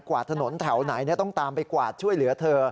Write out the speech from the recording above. วาดถนนแถวไหนต้องตามไปกวาดช่วยเหลือเธอ